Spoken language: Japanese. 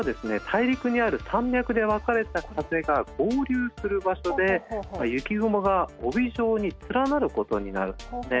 大陸にある山脈で分かれた風が合流する場所で雪雲が帯状に連なることになるんですね。